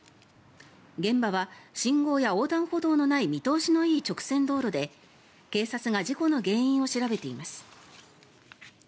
現場は信号や横断歩道のない見通しのいい直線道路で警察が事故の原因を調べています。